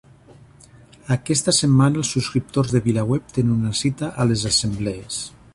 Aquesta setmana els subscriptors de VilaWeb tenen una cita a les Assemblees